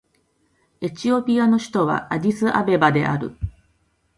エチオピアの首都はアディスアベバである